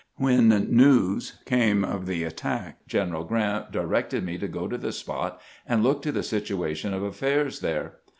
When news came of the attack. General Grant directed me to go to the spot and look to the situation of affairs there.